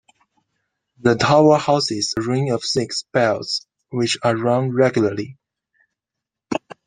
The tower houses a ring of six bells which are rung regularly.